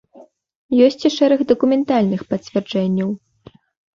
Ёсць і шэраг дакументальных пацвярджэнняў.